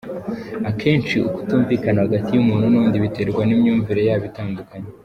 Akenshi ukutumvikana hagati y’umuntu n’undi biterwa n’imyumvire yabo itandukanye.